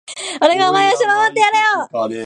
俺がお前を一生守ってやるよ